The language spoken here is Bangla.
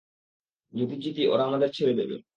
যদি জিতি ওরা আমাদের ছেড়ে দেবে।